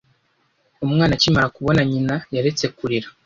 Umwana akimara kubona nyina, yaretse kurira.